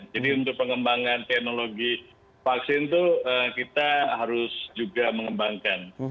jadi untuk pengembangan teknologi vaksin itu kita harus juga mengembangkan